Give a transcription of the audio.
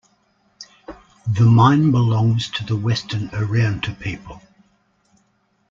The mine belongs to the Western Arrernte people.